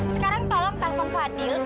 sekarang tolong telepon fadil